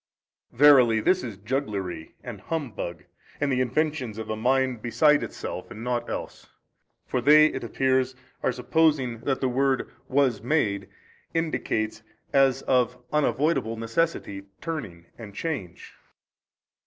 A. Verily this is jugglery and humbug and the inventions of a mind beside itself and nought else. For they (it appears) are supposing that the word Was made indicates as of unavoidable necessity, turning and change.